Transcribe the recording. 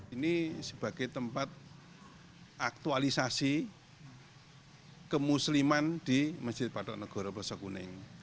ini sebagai tempat aktualisasi kemusliman di masjid patok negoro plosok kuning